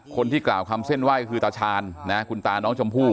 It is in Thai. คนที่กล่าวคำเส้นไหว้ก็คือตาชาญนะคุณตาน้องชมพู่